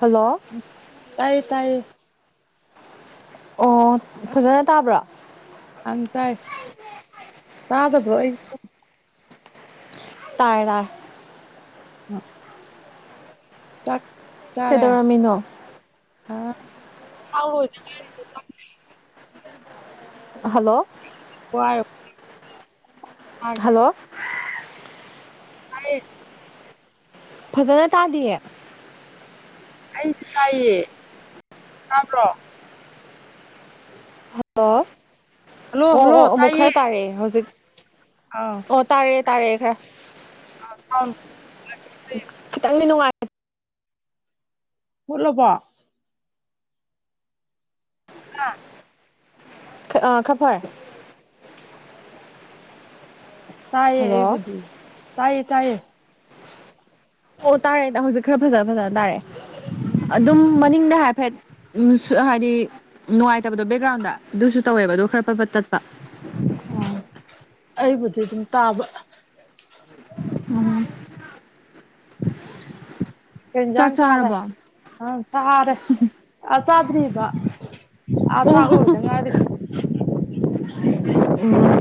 Hello ꯇꯥꯏꯌꯦ ꯇꯥꯏꯌꯦ ꯑꯣ ꯐꯖꯅ ꯇꯥꯕ꯭ꯔꯥ ꯑꯪ ꯇꯥꯏ ꯇꯥꯗꯕ꯭ꯔꯣ ꯑꯩ ꯇꯥꯔꯦ ꯇꯥꯔꯦ ꯆꯥꯛ ꯆꯥꯔꯦ ꯀꯩꯗꯧꯔꯝꯃꯤꯅꯣ [unintelligible] ꯍꯜꯂꯣ [unintelligible] ꯇꯥꯏ ꯍꯜꯂꯣ ꯇꯥꯏꯌꯦ ꯐꯖꯅ ꯇꯥꯗꯤꯌꯦ ꯑꯩꯗꯤ ꯇꯥꯏꯌꯦ ꯇꯥꯕ꯭ꯔꯣ ꯍꯜꯂꯣ ꯍꯜꯂꯣ ꯑꯣ ꯍꯜꯂꯣ ꯑꯣ ꯑꯃꯨꯛ ꯈꯔ ꯇꯥꯔꯛꯑꯦ ꯍꯧꯖꯤꯛ ꯑꯥꯎ ꯑꯣ ꯇꯥꯔꯛꯑꯦ ꯇꯥꯔꯛꯑꯦ ꯈꯔ ꯁꯥꯎꯟ ꯈꯤꯇꯪꯗꯤ ꯅꯨꯡꯉꯥꯏ ꯃꯨꯠꯂꯕꯣ ꯍꯥ ꯑꯥ ꯈꯔ ꯐꯔꯦ ꯇꯥꯏꯌꯦ ꯍꯜꯂꯣ ꯑꯩꯕꯨꯗꯤ ꯇꯥꯏꯌꯦ ꯇꯥꯏꯌꯦ ꯑꯣ ꯇꯥꯔꯦ ꯍꯧꯖꯤꯛ ꯈꯔ ꯐꯖ ꯐꯖꯅ ꯇꯥꯔꯛꯑꯦ ꯑꯗꯨꯝ ꯃꯅꯤꯡꯗ ꯍꯥꯏꯐꯦꯠ ꯎꯝ [unintelligible] ꯍꯥꯏꯗꯤ ꯅꯨꯡꯉꯥꯏꯇꯕꯗꯣ ꯕꯦꯛꯒ꯭ꯔꯥꯎꯟꯗ ꯑꯗꯨꯁꯨ ꯇꯧꯋꯦꯕ ꯑꯗꯣ ꯈꯔ ꯐꯠ ꯐꯠ ꯇꯠꯄ ꯑꯣ ꯑꯩꯕꯨꯗꯤ ꯑꯗꯨꯝ ꯇꯥꯕ ꯎꯝ ꯀꯩ ꯆꯥꯛ ꯌꯦꯟꯖꯥꯡ ꯆꯥꯔꯦ ꯆꯥꯔꯕꯣ ꯑꯥ ꯆꯥꯔꯦ ꯑꯥ ꯆꯥꯗ꯭ꯔꯤꯕ ꯑꯥ ꯑꯣ ꯆꯥꯛ ꯍꯣ ꯂꯣꯏꯗ ꯍꯣ ꯉꯥꯏꯔꯤ ꯑꯣ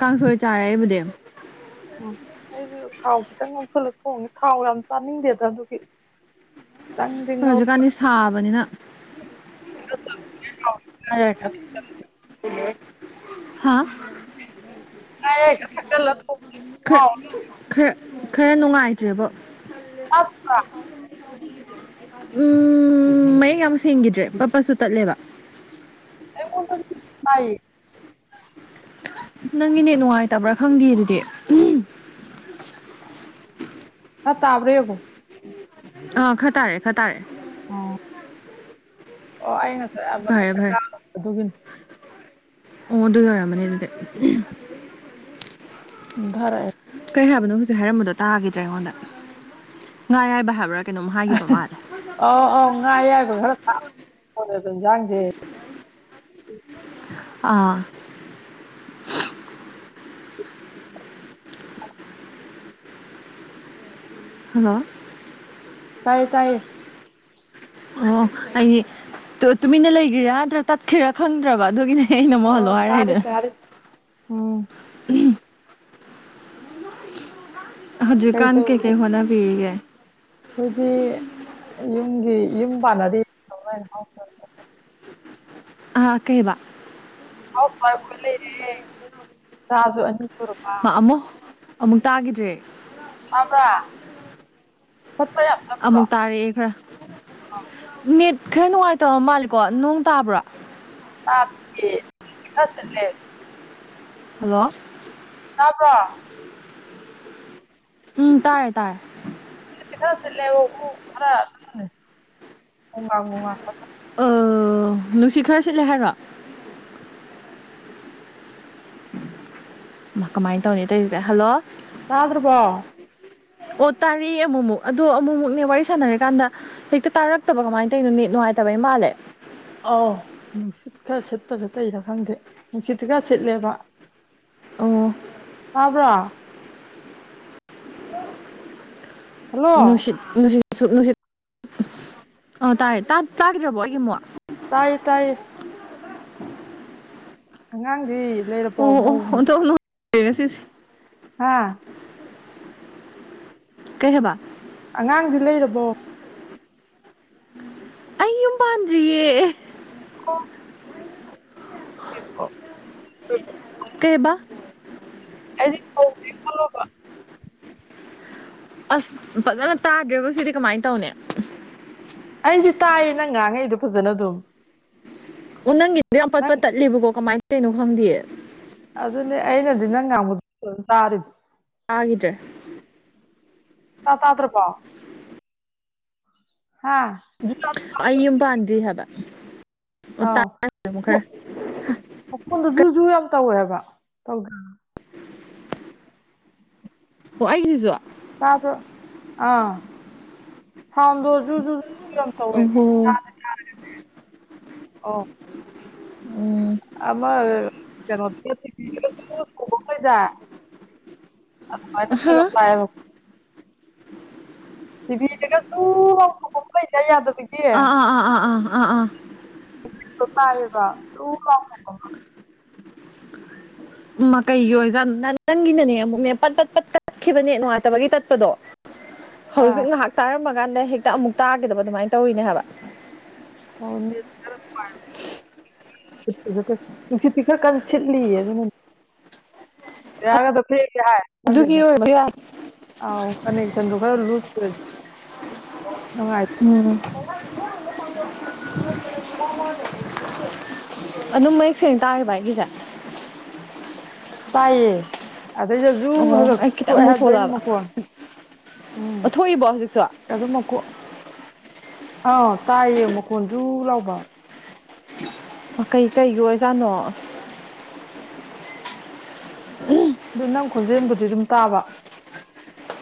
ꯀꯥꯡꯁꯣꯏ ꯆꯥꯔꯦ ꯑꯩꯕꯨꯗꯤ ꯑꯣ ꯑꯩꯁꯨ ꯊꯥꯎ ꯈꯤꯇꯪ ꯉꯧꯁꯜꯂ ꯊꯣꯡꯉꯦ ꯊꯥꯎ ꯌꯥꯝ ꯆꯥꯅꯤꯡꯗꯦꯗ ꯑꯗꯨꯒꯤ ꯈꯤꯇꯪꯗꯤ ꯍꯣꯏ ꯉꯧꯔꯒ ꯍꯧꯖꯤꯛꯀꯥꯟꯗꯤ ꯁꯥꯕꯅꯤꯅ [unintelligible] [unintelligible] ꯍꯥꯥ ꯉꯥ ꯑꯌꯥꯏ ꯈꯔ ꯊꯥꯛꯆꯜꯂꯣ ꯊꯣꯡ ꯈ꯭ꯔ ꯈ꯭ꯔ ꯈꯔ ꯅꯨꯡꯉꯥꯏꯇ꯭ꯔꯦꯕꯣ ꯑꯞꯀꯥ ꯎꯝ ꯃꯌꯦꯛ ꯌꯥꯝ ꯁꯦꯡꯈꯤꯗ꯭ꯔꯦ ꯄꯠ ꯄꯠꯁꯨ ꯇꯠꯂꯦꯕ ꯑꯩꯉꯣꯟꯗꯗꯤ ꯇꯥꯏꯌꯦ ꯅꯪꯒꯤ ꯅꯦꯠ ꯅꯨꯡꯉꯥꯏꯇꯕ꯭ꯔꯥ ꯈꯪꯗꯤꯌꯦ ꯑꯗꯨꯗꯤ ꯈꯔ ꯇꯥꯕ꯭ꯔ ꯌꯦꯡꯉꯨ ꯑꯥ ꯈꯔ ꯇꯥꯔꯛꯑꯦ ꯈꯔ ꯇꯥꯔꯛꯑꯦ ꯑꯣ ꯑꯣ ꯑꯩ ꯉꯁꯥꯏ ꯐꯔꯦ ꯃꯊꯛꯇ ꯐꯔꯦ ꯀꯥꯔꯨꯕ ꯑꯗꯨꯒꯤꯅꯤ ꯑꯣ ꯑꯗꯨꯅ ꯑꯣꯏꯔꯝꯃꯅꯤ ꯑꯗꯨꯗꯤ ꯀꯨꯝꯊꯔꯛꯑꯦ ꯀꯩ ꯍꯥꯏꯕꯅꯣ ꯍꯧꯖꯤꯛ ꯍꯥꯏꯔꯝꯕꯗꯣ ꯇꯥꯈꯤꯗ꯭ꯔꯦ ꯑꯩꯉꯣꯟꯗ ꯉꯥ ꯑꯌꯥꯏꯕ ꯍꯥꯏꯕ꯭ꯔꯥ ꯀꯩꯅꯣꯝ ꯍꯥꯏꯒꯤꯕ ꯃꯥꯜꯂꯦ ꯑꯥ ꯑꯧ ꯉꯥ ꯑꯌꯥꯏꯕ ꯈꯔ ꯊꯥꯛ [unintelligible] ꯔꯦꯕ ꯏꯟꯖꯥꯡꯁꯦ ꯑꯥ [inaudible] ꯍꯜꯂꯣ ꯇꯥꯏꯌꯦ ꯇꯥꯏꯌꯦ ꯑꯣ ꯑꯩꯗꯤ ꯇꯨ ꯇꯨꯃꯤꯟꯅ ꯂꯩꯒ꯭ꯔꯤꯔꯥ ꯅꯇ꯭ꯔ ꯇꯠꯈꯤꯔꯥ ꯈꯪꯗ꯭ꯔꯕ ꯑꯗꯨꯒꯤꯅꯦ ꯑꯩꯅ ꯑꯃꯨꯛ ꯑꯣ ꯍꯜꯂꯣ ꯇꯥꯔꯤ ꯍꯥꯏꯔꯛꯏꯗꯣ ꯇꯥꯔꯤ ꯎꯝ ꯍꯧꯖꯤꯛ ꯀꯥꯟ ꯀꯩ ꯀꯩ ꯍꯣꯠꯅꯕꯤꯔꯤꯒꯦ ꯈꯣꯏꯗꯤ ꯌꯨꯝꯒꯤ ꯌꯨꯝ ꯄꯥꯟꯅꯕꯤ ꯇꯧ ꯂꯩꯔꯦ ꯍꯥꯎ ꯑꯥ ꯀꯩꯕꯥ ꯍꯥꯎꯁ ꯋꯥꯏꯐ ꯑꯣꯏ ꯂꯩꯔꯦ ꯆꯥꯖꯨ ꯑꯅꯤ ꯁꯨꯔꯄ ꯑꯃꯨ ꯑꯃꯨꯛ ꯇꯥꯒꯤꯗ꯭ꯔꯦ ꯇꯥꯕ꯭ꯔꯥ ꯆꯞꯄꯔ ꯆꯞ ꯑꯃꯨꯛ ꯇꯥꯔꯦꯑꯦ ꯈꯔ ꯅꯦꯠ ꯈꯔ ꯅꯨꯉꯥꯏꯇꯕ ꯃꯥꯜꯂꯤꯀꯣ ꯅꯣꯡ ꯇꯥꯕ꯭ꯔꯥ ꯇꯥꯗꯤꯌꯦ [unintelligible] ꯍꯜꯂꯣ ꯇꯥꯕ꯭ꯔꯣ ꯎꯝ ꯇꯥꯔꯦ ꯇꯥꯔꯦ ꯁꯤꯠꯇꯤ ꯈꯔ ꯁꯤꯠꯂꯦꯕꯀꯣ ꯈꯔ ꯎꯝ ꯒꯣꯡ ꯒꯥꯡ ꯒꯣꯡ ꯒꯥꯡ ꯈꯔ [unintelligible] ꯑꯥ ꯅꯨꯡꯁꯤꯠ ꯈꯔ ꯁꯤꯠꯂꯦ ꯍꯥꯏꯔꯣ ꯃꯥ ꯀꯃꯥꯏꯟ ꯇꯧꯅꯤ ꯇꯧꯏꯖꯤꯗꯤ ꯍꯜꯂꯣ ꯇꯥꯗ꯭ꯔꯕꯣ ꯑꯣ ꯇꯥꯔꯦꯑꯦ ꯑꯃꯨꯃꯨꯛ ꯑꯗꯣ ꯑꯃꯨꯃꯨꯛꯅꯦ ꯋꯥꯔꯤ ꯁꯥꯟꯅꯔꯀꯥꯟꯗ ꯍꯦꯛꯇ ꯇꯥꯔꯛꯇꯕ ꯀꯃꯥꯏꯟ ꯇꯧꯏꯅꯣ ꯅꯦꯠ ꯅꯨꯉꯥꯏꯇꯕꯩ ꯃꯥꯜꯂꯦ ꯑꯧ ꯅꯨꯡꯁꯤꯠ ꯈꯔ ꯁꯤꯠꯄꯗꯨ ꯇꯩꯔꯥ ꯈꯪꯗꯦ ꯅꯨꯡꯁꯤꯠꯇꯤ ꯈꯔ ꯁꯤꯠꯂꯦꯕ ꯑꯣ ꯇꯥꯕ꯭ꯔꯣ ꯍꯜꯂꯣ ꯅꯨꯁꯤꯠ ꯅꯨꯁꯤꯠꯁꯨ ꯅꯨꯡꯁꯤꯠ ꯑ ꯇꯥꯔꯦ ꯇꯥ ꯇꯥꯒꯤꯗ꯭ꯔꯕꯣ ꯑꯩꯒꯤ ꯃꯨꯛ ꯇꯥꯏꯌꯦ ꯇꯥꯏꯌꯦ ꯑꯉꯥꯡꯗꯤ ꯂꯩꯔꯕꯣ ꯑꯣ ꯑꯣ ꯃꯧ ꯑꯣꯟꯊꯣꯛ [unintelligible] ꯉꯁꯤꯁꯤ ꯍꯥꯥ ꯀꯩ ꯍꯦꯕ ꯑꯉꯥꯡꯗꯤ ꯂꯩꯔꯕꯣ ꯑꯩ ꯌꯨꯝ ꯄꯥꯟꯗ꯭ꯔꯤꯌꯦ [unintelligible] ꯀꯩꯕ [unintelligible] ꯑꯁ ꯐꯖꯅ ꯇꯥꯗ꯭ꯔꯦꯕꯨ ꯁꯤꯗꯤ ꯀꯃꯥꯏꯟ ꯇꯧꯅꯤ ꯑꯩꯗꯤ ꯇꯥꯏꯌꯦ ꯅꯪ ꯉꯥꯡꯉꯛꯏꯗꯣ ꯐꯖꯅ ꯗꯨꯝ ꯑꯣ ꯅꯪꯒꯤ ꯌꯥꯝ ꯄꯠ ꯄꯠ ꯇꯠꯂꯦꯕꯀꯣ ꯀꯃꯥꯏꯟ ꯇꯧꯏꯅꯣ ꯈꯪꯗꯤꯌꯦ ꯑꯗꯨꯅꯦ ꯑꯩꯅꯗꯤ ꯅꯪ ꯉꯥꯡꯕ [unintelligible] ꯇꯥꯔꯤꯗꯣ ꯇꯥꯒꯤꯗ꯭ꯔꯦ ꯇꯥ ꯇꯥꯗ꯭ꯔꯕꯣ ꯍꯥ [unintelligible] ꯑꯩ ꯌꯨꯝ ꯄꯥꯟꯗ꯭ꯔꯤ ꯍꯥꯏꯕ ꯑꯣ ꯑꯥꯎ ꯇꯥꯔꯦ ꯑꯃꯨꯛ ꯃ ꯈꯔ ꯃꯈꯣꯟꯗꯨ ꯖꯨ ꯖꯨ ꯌꯥꯝ ꯇꯧꯋꯦꯕ ꯇꯧꯗꯔ꯭ ꯑꯣ ꯑꯩꯒꯤꯖꯤꯖꯨ ꯇꯥꯕ꯭ꯔꯣ ꯑꯥ ꯁꯥꯎꯟꯗꯣ ꯖꯨ ꯖꯨ ꯖꯨ ꯖꯨ ꯌꯥꯝ ꯇꯧꯋꯦꯕ ꯑꯣꯍꯣ ꯇꯥꯔ ꯇꯥꯔꯒꯅꯦ ꯎꯝ ꯑꯃꯥ ꯑꯍꯥ [unintelligible] [inaudible] [unintelligible] ꯑꯥ ꯑꯥ ꯑꯥ ꯑꯥ ꯑꯥ ꯑꯥ ꯑꯥ [inaudible] ꯎꯝꯃꯥ ꯀꯩꯒꯤ ꯑꯣꯏꯔꯖꯥꯠꯅꯨ ꯅꯪ ꯅꯪꯒꯤꯅꯅꯦ ꯑꯃꯨꯛꯅꯦ ꯄꯠ ꯄꯠ ꯄꯠ ꯇꯠꯈꯤꯕ ꯅꯦꯠ ꯅꯨꯡꯉꯥꯏꯇꯕꯒꯤ ꯇꯠꯄꯗꯣ ꯍꯧꯖꯤꯛ ꯑꯥ ꯉꯥꯍꯥꯛ ꯇꯥꯔꯝꯃꯒꯥꯟꯗ ꯍꯦꯛꯇ ꯑꯃꯨꯛ ꯇꯥꯒꯤꯗꯕ ꯑꯗꯨꯃꯥꯏ ꯇꯧꯏꯅꯦ ꯍꯥꯏꯕ ꯑꯣ [unintelligible] [unintelligible] ꯅꯨꯡꯁꯤꯠꯇꯤ ꯈꯔ ꯀꯟ ꯁꯤꯠꯂꯤꯌꯦ ꯑꯗꯨꯅꯅꯦ [unintelligible] ꯍꯥꯏ ꯈꯪꯗꯦꯗ ꯑꯗꯨꯒꯤ ꯑꯣꯏꯔꯝꯕ ꯌꯥꯏ ꯑꯥꯎ ꯀꯟꯅꯦꯛꯁꯟꯗꯣ ꯈꯔ ꯂꯨꯖ ꯑꯣꯏ ꯎꯝ ꯑꯗꯨꯝ ꯃꯌꯦꯛ ꯁꯦꯡ ꯇꯥꯔꯤꯕ ꯑꯩꯒꯤꯖꯦ ꯇꯥꯏꯌꯦ ꯑꯗꯩꯗ ꯖꯨ ꯑꯣꯍꯣ ꯈꯈꯛ ꯑꯩ ꯊꯣꯛꯑꯦ ꯈꯤꯇꯪꯃꯨꯛ ꯍꯥꯏꯕꯗꯣ ꯑꯩꯅ ꯊꯣꯛꯂꯛꯑꯕ ꯃꯈꯣꯟ ꯎꯝ ꯑꯣ ꯊꯣꯛꯏꯕꯣ ꯍꯧꯖꯤꯛꯁꯨ ꯑꯗꯨ ꯃꯈꯣ ꯑꯥꯎ ꯇꯥꯏꯌꯦ ꯃꯈꯣꯟ ꯖꯨ ꯂꯥꯎꯕ ꯃꯥ ꯀꯩ ꯀꯩꯒꯤ ꯑꯣꯏꯔꯖꯥꯅꯣ ꯑꯁ ꯗꯨ ꯅꯪ ꯈꯣꯟꯖꯦꯟꯕꯨꯗꯤ ꯗꯨꯝ ꯇꯥꯕ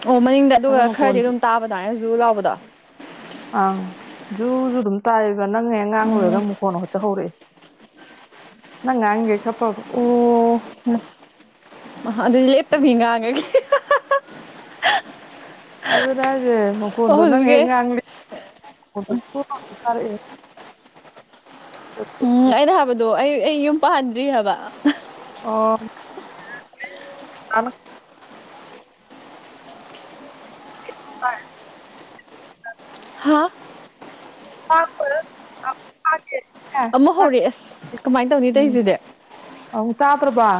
ꯑꯣ ꯃꯅꯤꯡꯗ ꯑꯗꯣ ꯑꯗꯨꯒ ꯃꯈꯣꯟ ꯈꯔꯗꯤ ꯑꯗꯨꯝ ꯇꯥꯕ ꯑꯗꯨꯋꯥꯏꯅ ꯖꯨ ꯂꯥꯎꯕꯗꯣ ꯑꯪ ꯖꯨꯖꯨ ꯑꯗꯨꯝ ꯇꯥꯏꯕ ꯅꯪꯅ ꯍꯦ ꯉꯥꯡ ꯂꯣꯏꯔꯒ ꯃꯈꯣꯟ ꯍꯦꯠꯇ ꯍꯧꯔꯛꯑꯦ ꯅꯪ ꯉꯥꯡꯉꯤꯉꯩ ꯈꯥ ꯐꯕ ꯃ ꯃꯥ ꯑꯗꯨꯏ ꯂꯦꯞꯇꯕꯤ ꯉꯥꯡꯉꯒꯦ ꯑꯗꯨꯅꯦ ꯍꯥꯏꯖꯦ ꯑꯣ ꯃꯈꯣꯟꯗꯣ ꯅꯪ ꯍꯦꯛ ꯍꯧꯖꯤꯛꯀꯤ ꯉꯥꯡꯗꯤ [inaudible] ꯎꯝ ꯑꯩꯅ ꯍꯥꯏꯕꯗꯣ ꯑꯩ ꯑꯩ ꯌꯨꯝ ꯄꯥꯟꯗ꯭ꯔꯤ ꯍꯥꯏꯕ ꯑꯣ [inaudible] ꯍꯥꯥ [inaudible] ꯑꯃꯨꯛ ꯍꯧꯔꯦ ꯑꯁ ꯀꯃꯥꯏꯟ ꯇꯧꯅꯤ ꯎꯝ ꯇꯧꯏꯖꯤꯗꯤ ꯑꯃꯨꯛ ꯇꯥꯗꯔ꯭ꯕ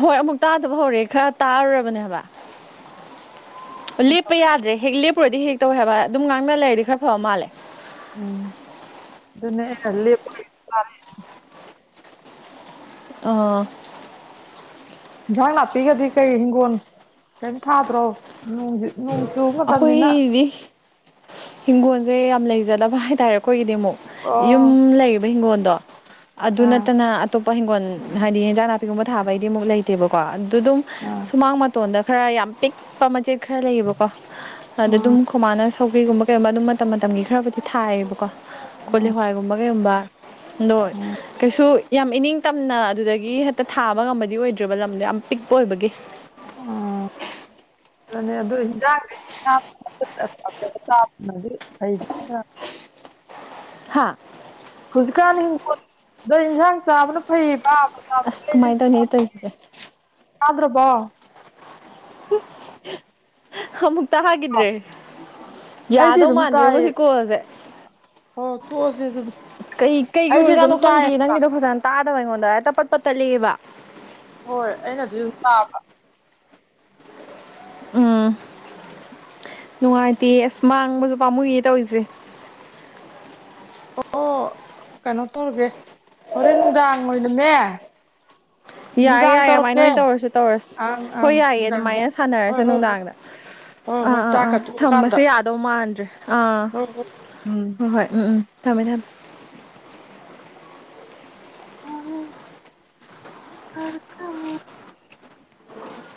ꯍꯣꯏ ꯑꯃꯨꯛ ꯇꯥꯗꯕ ꯍꯧꯔꯛꯑꯦ ꯈꯔ ꯇꯥꯔꯨꯔꯕꯅꯦ ꯍꯥꯢꯕ ꯑꯣ ꯂꯦꯞꯄ ꯌꯥꯗ꯭ꯔꯦ ꯍꯦꯛ ꯂꯦꯞꯄꯨꯔꯗꯤ ꯍꯦꯛ ꯇꯧꯋꯦ ꯍꯥꯏꯕ ꯑꯗꯨꯝ ꯉꯥꯡꯅ ꯂꯩꯔꯗꯤ ꯈꯔ ꯐꯕ ꯃꯥꯜꯂꯦ ꯎꯝ ꯗꯨꯅꯦ ꯑꯩꯅ [unintelligible] ꯂꯦꯞꯄꯣꯢ ꯇꯥꯔꯦ ꯑꯥ ꯏꯟꯖꯥꯥꯡ ꯅꯥꯄꯤꯒꯗꯤ ꯀꯩ ꯍꯤꯡꯒꯣꯟ ꯀꯩꯝ ꯊꯥꯗ꯭ꯔꯣ ꯅꯣꯡꯖꯦ ꯅꯣꯡ ꯆꯨ ꯑꯈꯣꯏꯗꯤ ꯍꯤꯡꯒꯣꯟꯖꯦ ꯌꯥꯝ ꯂꯩꯖꯗꯕ ꯍꯥꯏꯇꯥꯔꯦ ꯑꯈꯣꯏꯒꯤꯗꯤ ꯑꯃꯨꯛ ꯌꯨꯝ ꯑꯣ ꯂꯩꯔꯤꯕ ꯍꯤꯡꯒꯣꯟꯗꯣ ꯑꯗꯨ ꯑꯥ ꯅꯠꯇꯅ ꯑꯇꯣꯞꯄ ꯍꯤꯡꯒꯣꯟ ꯍꯥꯏꯗꯤ ꯍꯦꯟꯖꯥꯡ ꯅꯥꯄꯤꯒꯨꯝꯕ ꯊꯥꯕꯩꯗꯤ ꯑꯃꯨꯛ ꯂꯩꯇꯦꯕꯀꯣ ꯑꯗꯨꯗ ꯗꯨꯝ ꯑꯥ ꯁꯨꯃꯥꯡ ꯃꯇꯣꯟꯗ ꯈꯔ ꯌꯥꯝ ꯄꯤꯛꯄ ꯃꯆꯦꯠ ꯈꯔ ꯂꯩꯌꯦꯕꯀꯣ ꯎꯝ ꯑꯗꯗꯨꯝ ꯈꯣꯃꯥꯅ ꯁꯧꯒ꯭ꯔꯤꯒꯨꯝꯕ ꯀꯩꯒꯨꯝꯕ ꯑꯗꯨꯝ ꯃꯇꯝ ꯃꯇꯝꯒꯤ ꯈꯔꯕꯨꯗꯤ ꯊꯥꯏꯌꯦꯕꯀꯣ ꯀꯣꯂꯤ ꯎꯝ ꯍꯋꯥꯏꯒꯨꯝꯕ ꯀꯩꯒꯨꯝꯕ꯫ ꯅꯣꯏ ꯑꯣ ꯀꯩꯁꯨ ꯌꯥꯝ ꯏꯅꯤꯡ ꯇꯝꯅ ꯑꯗꯨꯗꯒꯤ ꯍꯦꯛꯇ ꯊꯥꯕ ꯉꯝꯕꯗꯤ ꯑꯣꯏꯗ꯭ꯔꯦꯕ ꯂꯝꯗꯣ ꯌꯥꯝ ꯄꯤꯛꯄ ꯑꯣꯏꯕꯒꯤ꯫ [inaudible] ꯔꯅꯦ ꯑꯗꯨ ꯍꯤꯟꯖꯥꯡꯗꯤ [inaudible] ꯍꯥꯥ꯫ ꯍꯧꯖꯤꯛꯀꯥꯟ ꯍꯤꯡꯒꯣꯟꯗꯩ ꯏꯟꯁꯥꯡ ꯆꯥꯕꯅ ꯐꯩꯕ꯫ ꯑꯁ ꯀꯃꯥꯏꯅ ꯇꯧꯅꯤ ꯇꯧꯏꯁꯤꯗꯤ꯫ ꯇꯥꯗ꯭ꯔꯕꯣ꯫ ꯑꯃꯨꯛ ꯇꯥꯒꯤꯗ꯭ꯔꯦ꯫ ꯑꯩꯗꯤ ꯌꯥꯗꯧ ꯑꯗꯨꯝ ꯃꯥꯟꯗ꯭ꯔꯦꯕꯣ ꯇꯥꯏꯌꯦ ꯁꯤ ꯀꯣꯜꯁꯦ꯫ ꯑꯣ ꯇꯣꯛꯑꯁꯦ ꯑꯗꯨꯗꯤ ꯀꯩ ꯀꯩꯒꯤ ꯑꯩꯗꯤ ꯑꯗꯨꯝ ꯑꯣꯏꯖꯥꯠꯅꯣ ꯈꯪꯗꯤꯌꯦ ꯇꯥꯏꯌꯦꯕ ꯅꯪꯒꯤꯗꯣ ꯐꯖꯅ ꯇꯥꯗꯕ ꯑꯩꯉꯣꯟꯗ ꯍꯦꯛꯇ ꯄꯠ ꯄꯠ ꯇꯠꯂꯛꯑꯦꯕ꯫ ꯍꯣꯏ ꯑꯩꯅꯗꯤ ꯑꯗꯨꯝ ꯇꯥꯕ꯫ ꯎꯝ ꯅꯨꯡꯉꯥꯏꯇꯦ ꯑꯁ ꯃꯥꯡꯕꯁꯨ ꯄꯥꯝꯃꯨꯏꯌꯦ ꯇꯧꯔꯤꯁꯦ꯫ ꯑꯣ ꯀꯩꯅꯣ ꯇꯧꯔꯒꯦ ꯍꯣꯔꯦꯟ ꯅꯨꯡꯗꯥꯡ ꯑꯣꯏꯅꯅꯦ ꯌꯥꯏ ꯌꯥꯏꯌꯦ ꯅꯨꯡꯗꯥꯡ ꯑꯗꯨꯃꯥꯏꯅ ꯇꯧꯔꯛꯀꯦ ꯑꯣꯏꯅ ꯇꯧꯔꯁꯨ ꯇꯧꯔꯁꯤ ꯑꯪ ꯑꯪ ꯍꯣꯏ ꯌꯥꯏꯌꯦ ꯅꯨꯡꯗꯥꯡꯗ ꯑꯗꯨꯃꯥꯏꯅ ꯍꯣꯏ ꯁꯥꯟꯅꯔꯁꯦ ꯍꯣꯏ ꯍꯣꯏ ꯅꯨꯡꯗꯥꯡꯗ꯫ ꯍꯣꯏ ꯑꯥ ꯍꯣꯏ ꯑꯥ ꯑꯥ ꯆꯥꯛꯀ ꯇꯣꯛꯑꯀꯥꯟꯗ ꯊꯝꯃꯁꯦ ꯌꯥꯗꯧ ꯃꯥꯟꯗ꯭ꯔꯦ ꯑꯥ ꯍꯣꯏ ꯍꯣꯏ ꯍꯣꯏ ꯍꯣꯏ ꯎꯝ ꯎꯝ꯫ ꯊꯝꯃꯦ ꯊꯝꯃꯦ꯫ [inaudible]